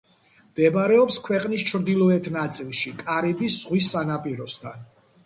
მდებარეობს ქვეყნის ჩრდილოეთ ნაწილში, კარიბის ზღვის სანაპიროსთან.